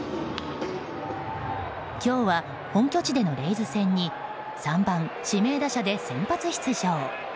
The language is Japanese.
今日は、本拠地でのレイズ戦に３番指名打者で先発出場。